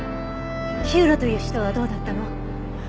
火浦という人はどうだったの？